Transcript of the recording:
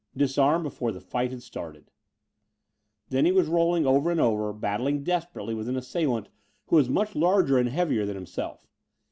Disarmed before the fight had started! Then he was rolling over and over, battling desperately with an assailant who was much larger and heavier than himself.